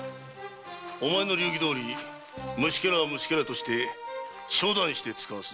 お前の流儀どおり虫けらは虫けらとして処断してつかわす。